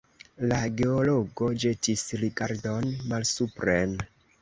La geologo ĵetis rigardon malsupren.